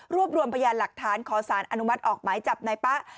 รวมรวมพยานหลักฐานขอสารอนุมัติออกหมายจับนายป๊ะ